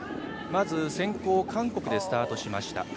まず、先攻、韓国でスタートしました。